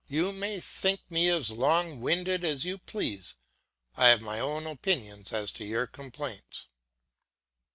You may think me as long winded as you please; I have my own opinion as to your complaints.